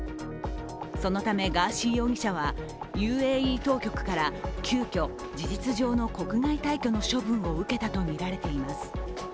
そのためガーシー容疑者はＵＡＥ当局から急きょ、事実上の国外退去の処分を受けたとみられています。